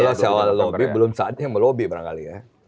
kalau seawal lobby belum saatnya mau lobby barangkali ya